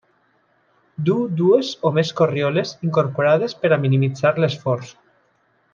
Duu dues o més corrioles incorporades per a minimitzar l'esforç.